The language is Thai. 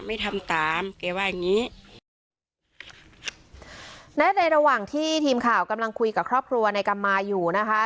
ไม่ทำตามแกว่าอย่างงี้และในระหว่างที่ทีมข่าวกำลังคุยกับครอบครัวในกรรมมาอยู่นะคะ